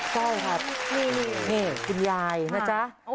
ใช่ครับนี่คุณยายนะจ๊ะ